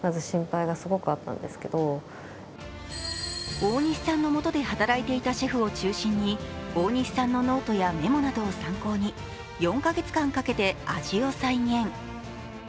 大西さんのもとで働いていたシェフを中心に大西さんのノートやメモなどを参考に、４か月間かけて味を再現。